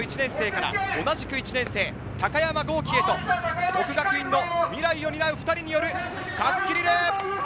上原琉翔・１年生から同じく１年生・高山豪起へと國學院の未来を担う２人による襷リレー。